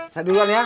saya duluan ya